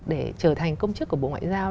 để trở thành công chức của bộ ngoại giao